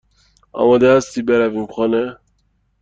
آماده هستی برویم خانه؟